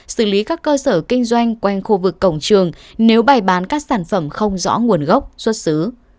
xử lý các cơ sở kinh doanh quanh khu vực cổng trường nếu bày bán các sản phẩm không rõ nguồn gốc xuất xứ